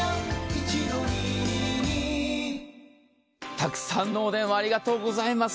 たくさんのお電話ありがとうございます。